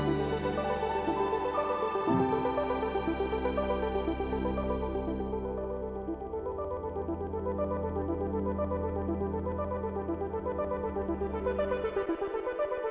ทำด้วยความรู้ของตัวเองที่ตัวเองรู้แค่นั้น